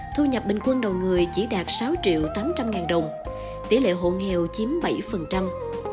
thu nhập bình quân đầu người chỉ đạt sáu triệu tám trăm linh ngàn đồng tỷ lệ hộ nghèo chiếm bảy